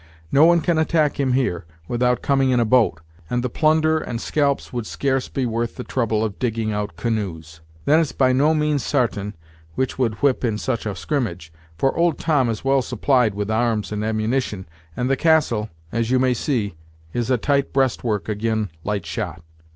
No one can attack him here, without coming in a boat, and the plunder and scalps would scarce be worth the trouble of digging out canoes. Then it's by no means sartain which would whip in such a scrimmage, for old Tom is well supplied with arms and ammunition, and the castle, as you may see, is a tight breastwork ag'in light shot."